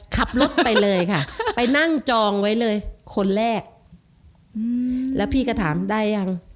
ขับรถไปเลยค่ะไปนั่งจองไว้เลยคนแรกอืมแล้วพี่ก็ถามได้ยัง